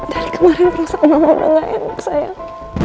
dari kemarin perasaan mamamu gak enak sayang